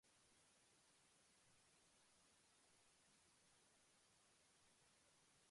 Se enviaron audios y fotos, pero la orden se mantuvo en firme.